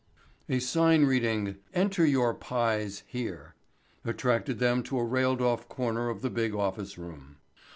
A sign reading, "Enter Your Pies Here," attracted them to a railed off corner of the big office room.